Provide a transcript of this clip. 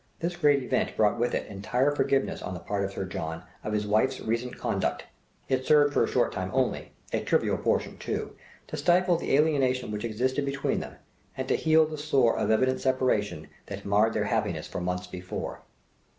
This great event brought with it entire forgiveness on the part of Sir John of his wife's recent conduct. It served for a short time only, a trivial portion too, to stifle the alienation which existed between them, and to heal the sore of evident separation that marred their happiness for months before.